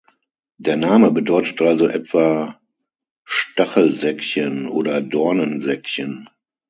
Der Name bedeutet also etwa „Stachelsäckchen“ oder „Dornensäckchen“.